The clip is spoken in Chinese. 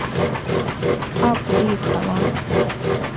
阿古利可拉。